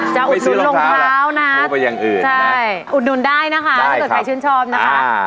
จะอุดนุนลง๓๒นะคะใช่อุดนุนได้นะคะถ้าเกิดใครชื่นชอบนะครับ